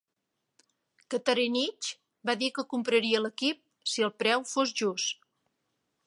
Cattarinich va dir que compraria l'equip si el preu fos just.